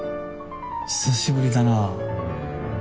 久しぶりだなぁ。